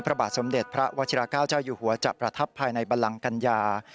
พระบาทสมเด็จพระวัชิราเก้าเจ้าอยู่หัวจะประทับภายในบันลังกัญญา